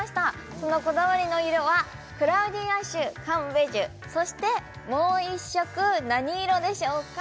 そのこだわりの色はクラウディーアッシュカームベージュそしてもう一色何色でしょうか？